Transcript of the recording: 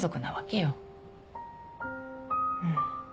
うん。